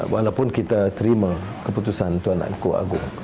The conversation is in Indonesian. walaupun kita terima keputusan tuanku agung